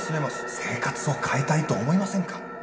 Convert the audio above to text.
生活を変えたいと思いませんか？